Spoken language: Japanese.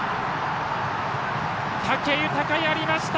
武豊、やりました！